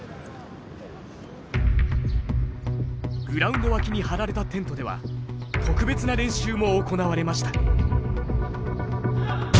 グラウンド脇に張られたテントでは特別な練習も行われました。